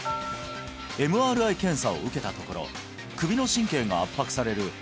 ＭＲＩ検査を受けたところ首の神経が圧迫される